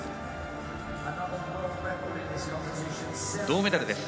銅メダルです。